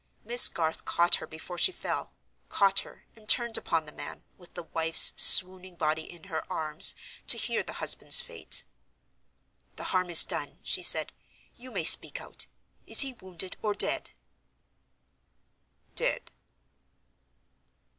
Miss Garth caught her before she fell—caught her, and turned upon the man, with the wife's swooning body in her arms, to hear the husband's fate. "The harm is done," she said; "you may speak out. Is he wounded, or dead?" "Dead."